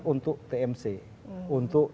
untuk tmc untuk